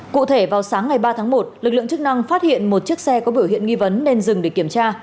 cụ thể vào sáng ngày ba tháng một lực lượng chức năng phát hiện một chiếc xe có biểu hiện nghi vấn nên dừng để kiểm tra